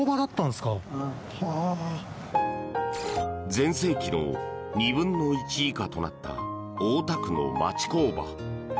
全盛期の２分の１以下となった大田区の町工場。